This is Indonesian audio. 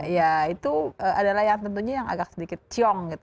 ya itu adalah yang tentunya yang agak sedikit ciong gitu